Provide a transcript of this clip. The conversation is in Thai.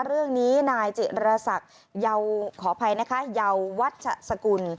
เรื่องนี้นายจิระศักดิ์เยาวัชฌสกุล